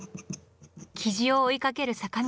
雉を追いかける坂道。